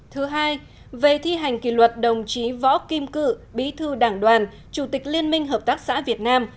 thứ hai về thi hành kỷ luật đồng chí võ kim cự bí thư đảng đoàn chủ tịch liên minh hợp tác xã việt nam